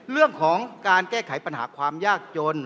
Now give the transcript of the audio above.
เรื่องของการแก้ไขปัญหาความยากจน